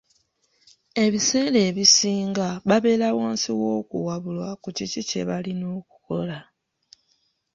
Ebiseera ebisinga babeera wansi w’okuwabulwa ku kiki kye balina okukola.